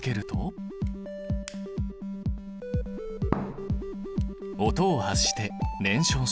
音を発して燃焼した。